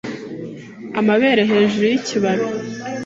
amabere hejuru yikibabi.